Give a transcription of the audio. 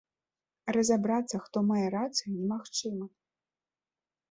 Разабрацца, хто мае рацыю, немагчыма.